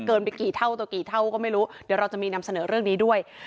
ไปกี่เท่าต่อกี่เท่าก็ไม่รู้เดี๋ยวเราจะมีนำเสนอเรื่องนี้ด้วย